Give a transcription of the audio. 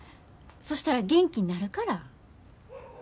そしたら元気になるから。